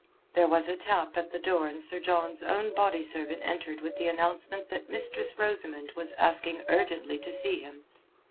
There was a tap at the door and Sir John's own body servant entered with the announcement that Mistress Rosamund was asking urgently to see him.